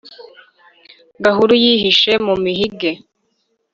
gahuru yihishe mumuhige